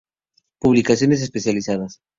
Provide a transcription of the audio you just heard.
Publicaciones especializadas.